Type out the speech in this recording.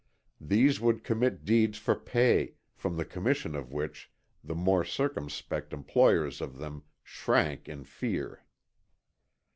These would commit deeds for pay, from the commission of which the more circumspect employers of them shrank in fear.